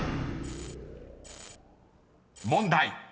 ［問題］